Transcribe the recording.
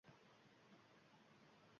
Bir nechta odam, bir nechta sportchi